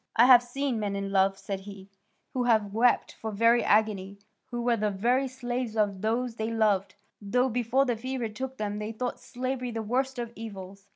I have seen men in love," said he, "who have wept for very agony, who were the very slaves of those they loved, though before the fever took them they thought slavery the worst of evils.